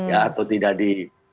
atau tidak di